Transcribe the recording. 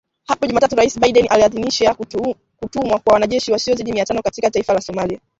Hapo Jumatatu Rais Biden aliidhinisha kutumwa kwa wanajeshi wasiozidi mia tano katika taifa la Somalia.